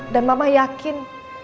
dan mama yakin